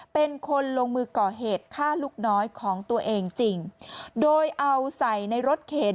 เป็นคนลงมือก่อเหตุฆ่าลูกน้อยของตัวเองจริงโดยเอาใส่ในรถเข็น